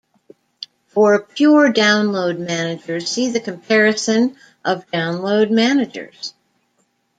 For pure download managers see the Comparison of download managers.